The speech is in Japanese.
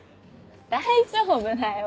大丈夫だよ。